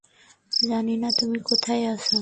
জানিই না তুমি কোথায় আছো।